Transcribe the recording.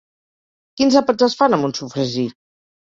Quins àpats es fan amb un sofregit?